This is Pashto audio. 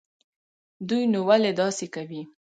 دوى نو ولې داسې کوي.